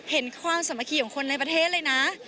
เห็นความสมัครของคนในประเทศเลยนะ